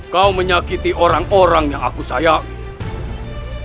kau menyakiti orang orang yang aku sayang